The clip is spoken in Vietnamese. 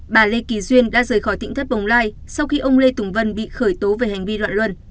bà lê kỳ duyên đã rời khỏi tỉnh thất bồng lai sau khi ông lê tùng vân bị khởi tố về hành vi loạn luân